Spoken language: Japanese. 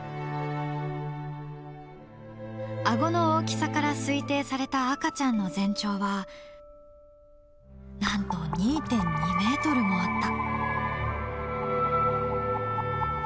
あごの大きさから推定された赤ちゃんの全長はなんと２．２ｍもあった。